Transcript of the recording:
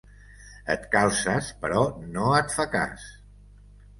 Et calces però no et fa cas.